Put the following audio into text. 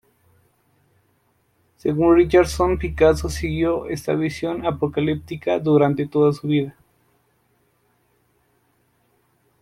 Según Richardson, Picasso siguió esta visión apocalíptica durante toda su vida.